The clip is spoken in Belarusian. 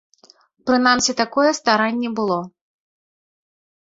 Прынамсі, такое старанне было.